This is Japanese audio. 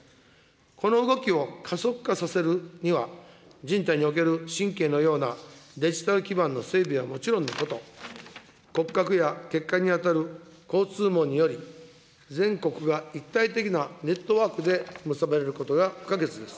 この動きを加速化させるには、人体における神経のようなデジタル基盤の整備はもちろんのこと、骨格や血管に当たる交通網により、全国が一体的なネットワークで結ばれることが不可欠です。